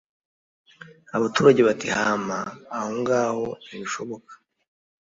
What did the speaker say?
Abagaragu bati: "Hama ahongaho ntibishoboka